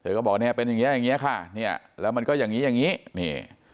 ก็บอกเนี่ยเป็นอย่างเงี้อย่างเงี้ยค่ะเนี่ยแล้วมันก็อย่างงี้อย่างงี้นี่